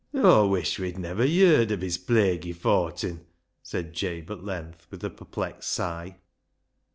" Aw wuish we'd ne'er yerd of his plaguey fortin," said Jabe at length, with a perplexed sigh.